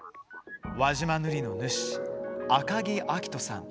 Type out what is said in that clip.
輪島塗の塗師赤木明登さん。